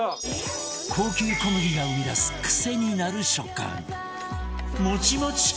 高級小麦が生み出す癖になる食感